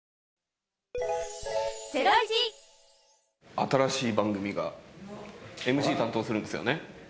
新しい番組でＭＣ担当するんですよね？